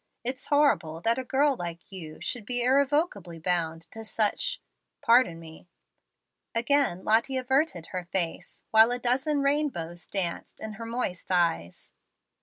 It's horrible that a girl like you should be irrevocably bound to such pardon me." Again Lottie averted her face, while a dozen rainbows danced in her moist eyes.